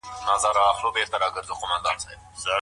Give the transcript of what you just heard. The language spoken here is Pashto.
ولي ځايي واردوونکي طبي درمل له ایران څخه واردوي؟